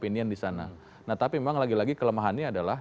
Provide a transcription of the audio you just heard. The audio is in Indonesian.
ini nah tapi memang lagi lagi kelemahannya adalah